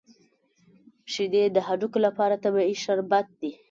شیدې د هډوکو لپاره طبیعي شربت دی